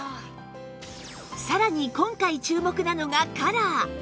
さらに今回注目なのがカラー